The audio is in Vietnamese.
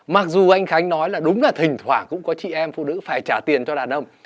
mặc dù anh khánh nói là đúng là thỉnh thoả cũng có chị em phụ nữ phải trả tiền cho đàn ông